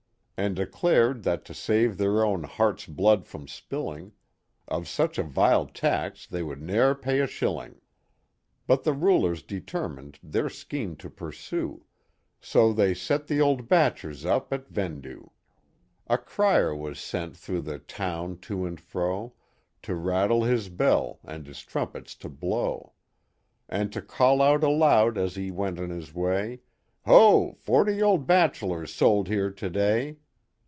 '* And declared that to save their own heart's blood from spSling Of such a vile tax they would ne'er pay a shilling. But the rulers determined their scheme to pursue, So they set the old bachelors up at vendue. A crier was sent through the town to and fro To rattle his bell and his trumpet to blow. And to call out aloud as he went on his way Ho! forty old bachelors sold here to day!